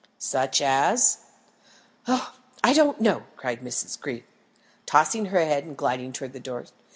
"Such as " "Oh, I don't know," cried Miss Greeb, tossing her head and gliding towards the door.